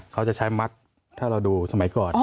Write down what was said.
เขาจะใช้มักถ้าเราดูสมัยก่อน